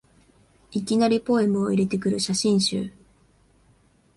いきなりポエムを入れてくる写真集